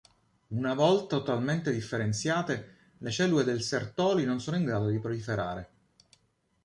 Una volta totalmente differenziate, le cellule del Sertoli non sono in grado di proliferare.